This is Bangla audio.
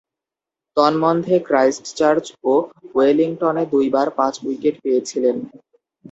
তন্মধ্যে, ক্রাইস্টচার্চ ও ওয়েলিংটনে দুইবার পাঁচ-উইকেট পেয়েছিলেন।